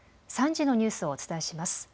３時のニュースをお伝えします。